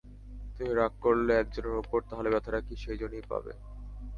তুমি রাগ করলে এক জনের উপর, তাহলে ব্যথাটা কি সেই জনই পাবে।